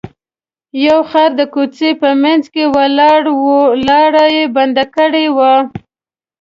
یو خر د کوڅې په منځ کې ولاړ و لاره یې بنده کړې وه.